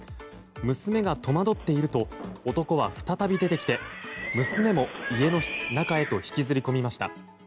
娘が戸惑っていると男は再び出てきて娘も家の中へと引きずり込みました。